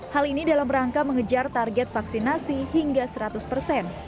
hal ini dalam rangka mengejar target vaksinasi hingga seratus persen